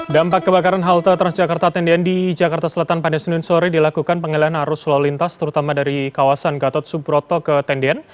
dampak kebakaran halte transjakarta tendian di jakarta selatan pada senin sore dilakukan pengalian arus lalu lintas terutama dari kawasan gatot subroto ke tendian